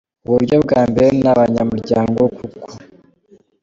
Uburyo bwa mbere ni abanyamuryango kuko